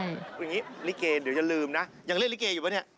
อย่างนี้ลิเกเดี๋ยวจะลืมนะยังเล่นลิเกอยู่ป่ะเนี่ย